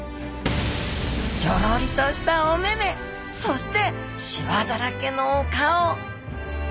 ギョロリとしたお目目！そしてしわだらけのお顔！